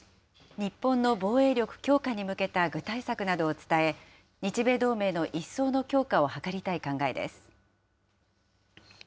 日本の防衛力強化に向けた具体策などを伝え、日米同盟の一層の強化を図りたい考えです。